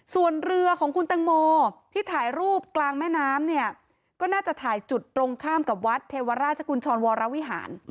ส่วนเรือของคุณตังโมที่ถ่ายรูปกลางแม่น้ำเนี่ยก็น่าจะถ่ายจุดตรงข้ามกับวัดเทวราชกุญชรวรวิหาร